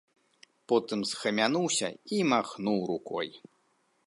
Потым схамянуўся і махнуў рукой.